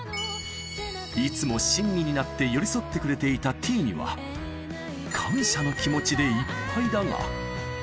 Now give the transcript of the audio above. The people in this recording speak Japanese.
いつも親身になって寄り添ってくれていたＴには、感謝の気持ちでいっぱいだが。